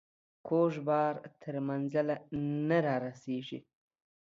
کوږ بار تر منزله نه رارسيږي.